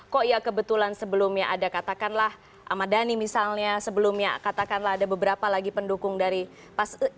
kok ya kebetulan sebelumnya ada katakanlah ahmad dhani misalnya sebelumnya katakanlah ada beberapa lagi pendukung dari paslon